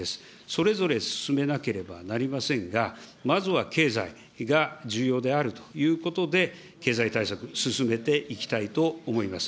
それぞれ進めなければなりませんが、まずは経済が重要であるということで、経済対策進めていきたいと思います。